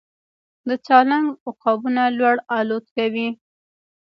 د سالنګ عقابونه لوړ الوت کوي